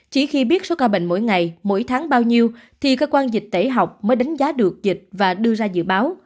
chỉ khi biết số ca bệnh mỗi ngày mỗi tháng bao nhiêu thì cơ quan dịch tễ học mới đánh giá được dịch và đưa ra dự báo